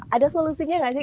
ada solusinya nggak sih